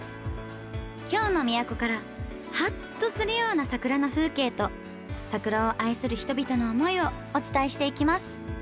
京の都からハッとするような桜の風景と桜を愛する人々の思いをお伝えしていきます。